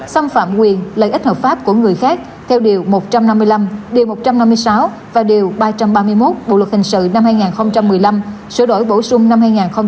xâm phạm quyền lợi ích hợp pháp của người khác theo điều một trăm năm mươi năm điều một trăm năm mươi sáu và điều ba trăm ba mươi một bộ luật hình sự năm hai nghìn một mươi năm sửa đổi bổ sung năm hai nghìn một mươi bảy